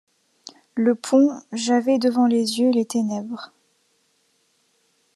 le pont J’avais devant les yeux les ténèbres.